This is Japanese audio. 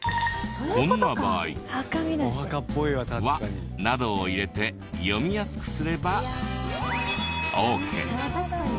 こんな場合「は」などを入れて読みやすくすればオーケー。